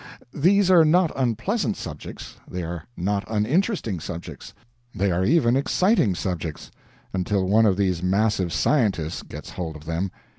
These are not unpleasant subjects; they are not uninteresting subjects; they are even exciting subjects until one of these massive scientists gets hold of them.